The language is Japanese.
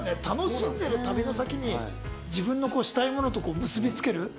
楽しんでる旅の先に自分のしたいものと結び付ける。